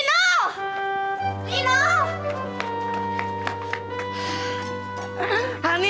hani apakah lino bermimpi hani